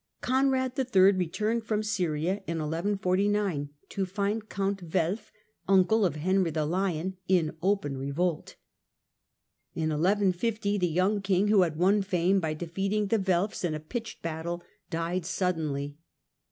Conrad III. returned from Syria in 1149 to find Count Welf, uncle. of Henry the Lion, in open revolt. In 1150 the young king, who had won fame by defeating the Welfs in a pitched battle, died suddenly.